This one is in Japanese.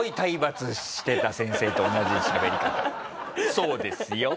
「そうですよ」。